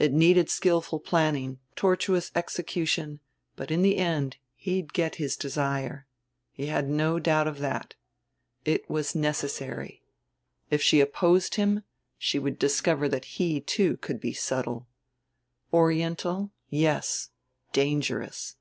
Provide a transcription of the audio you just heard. It needed skillful planning, tortuous execution, but in the end he'd get his desire. He had no doubt of that. It was necessary. If she opposed him she would discover that he, too, could be subtle, Oriental, yes dangerous.